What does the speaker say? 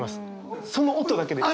その音だけで。